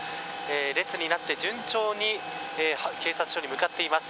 列になって順調に警察署に向かっています。